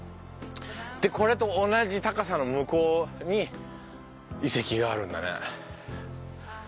でこれと同じ高さの向こうに遺跡があるんだね。